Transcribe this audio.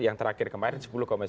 yang terakhir kemarin sepuluh sembilan